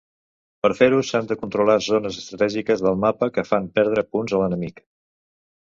Per fer-ho s'han de controlar zones estratègiques del mapa, que fan perdre punts a l'enemic.